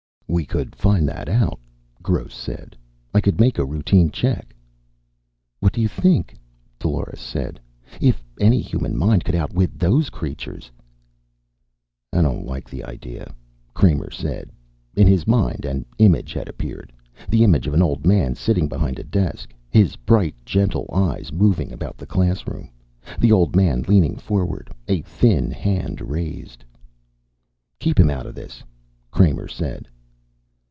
"We could find that out," Gross said. "I could make a routine check." "What do you think?" Dolores said. "If any human mind could outwit those creatures " "I don't like the idea," Kramer said. In his mind an image had appeared, the image of an old man sitting behind a desk, his bright gentle eyes moving about the classroom. The old man leaning forward, a thin hand raised "Keep him out of this," Kramer said.